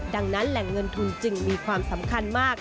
ดังนั้นแหล่งเงินทุนจึงมีความสำคัญมาก